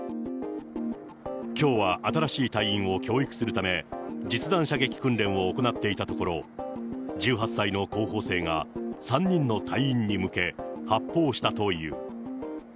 きょうは新しい隊員を教育するため、実弾射撃訓練を行っていたところ、１８歳の候補生が、３人の隊員に向け、発砲したという。